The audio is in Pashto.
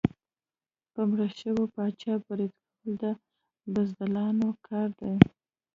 په مړ شوي پاچا برید کول د بزدلانو کار دی.